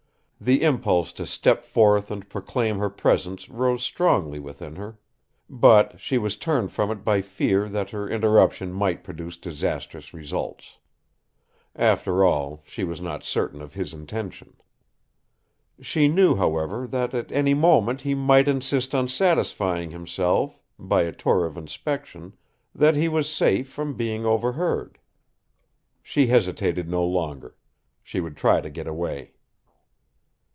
The impulse to step forth and proclaim her presence rose strongly within her; but she was turned from it by fear that her interruption might produce disastrous results. After all, she was not certain of his intention. She knew, however, that at any moment he might insist on satisfying himself, by a tour of inspection, that he was safe from being overheard. She hesitated no longer. She would try to get away.